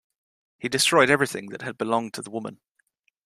He destroyed everything that had belonged to the woman.